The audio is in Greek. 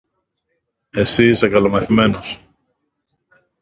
Εσύ είσαι καλομαθημένος.